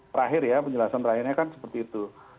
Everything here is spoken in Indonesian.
terakhir ya penjelasan terakhirnya kan seperti itu